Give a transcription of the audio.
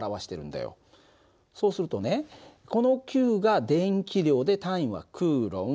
そうするとねこのｑが電気量で単位はＣ。